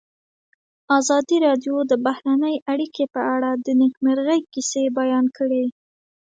ازادي راډیو د بهرنۍ اړیکې په اړه د نېکمرغۍ کیسې بیان کړې.